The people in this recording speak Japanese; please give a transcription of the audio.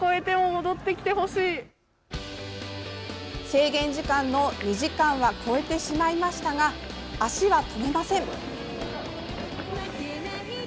制限時間の２時間は超えてしまいましたが足は止めません。